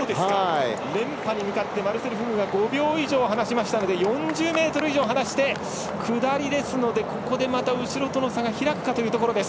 連覇に向かってマルセル・フグが５秒以上離しましたので４０ｍ以上離して下りですので、ここで後ろとの差が開くかというところです。